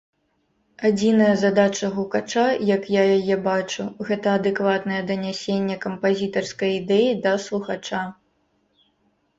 Адзіная задача гукача, як я яе бачу, гэта адэкватнае данясенне кампазітарскай ідэі да слухача.